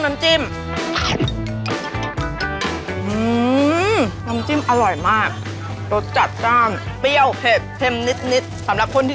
น้ำจิ้มอร่อยมาก